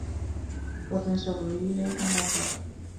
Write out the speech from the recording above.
Werner sobrevive al ataque.